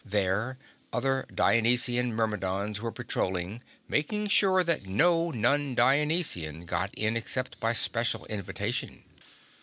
There, other Dionysian Myrmidons were patrolling, making sure that no non Dionysian got in except by special invitation.